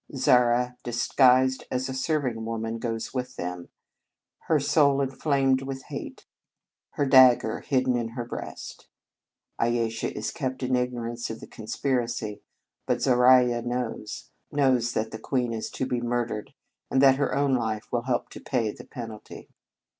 Zara, disguised as a serving woman, goes with them, her soul inflamed with hate, her dagger 61 In Our Convent Days hidden in her breast. Ayesha is kept in ignorance of the conspiracy; but Zoraiya knows, knows that the queen is to be murdered, and that her own life will help to pay the penalty.